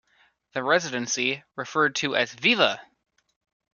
The residency, referred to as Viva!